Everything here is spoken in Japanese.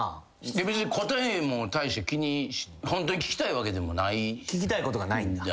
で別に答えも大してホントに聞きたいわけでもない？聞きたいことがないんだ？